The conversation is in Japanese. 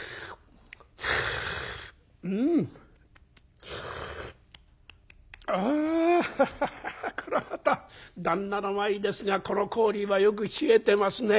「うん。あハハハハこれまた旦那の前ですがこの氷はよく冷えてますね」。